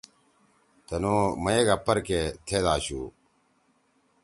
تنُو مئیگا پرکے تھید آشُو